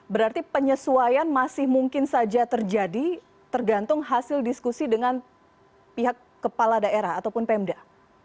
berarti penyesuaian masih mungkin saja terjadi tergantung hasil diskusi dengan pihak kepala daerah ataupun pemda